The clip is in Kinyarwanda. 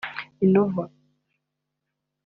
Minova